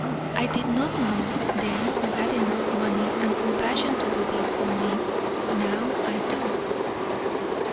I did not know then who had enough money and compassion to do this for me; now I do."